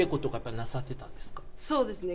そうですね